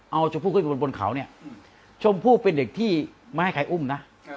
เอาชมพู่ขึ้นไปบนบนเขาเนี่ยชมพู่เป็นเด็กที่ไม่ให้ใครอุ้มนะ